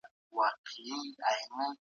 ملي شورا سوله ایزې خبرې نه ځنډوي.